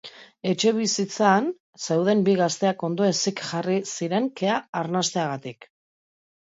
Etxebizitzan zeuden bi gazteak ondoezik jarri ziren kea arnasteagatik.